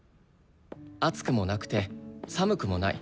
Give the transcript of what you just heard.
暑くもなくて寒くもない。